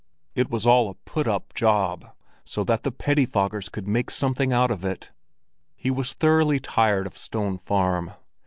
It was all a put up job, so that the pettifoggers could make something out of it. He was thoroughly tired of Stone Farm.